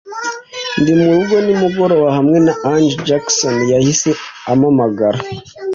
ndi murugo nimugoraba hamwe na Angel Jackson yahise ampamagara